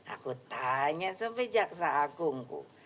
aku tanya sampai jaksa agungku